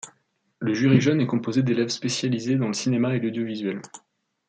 Le jury jeune est composé d'élèves spécialisés dans le cinéma et l'audiovisuel.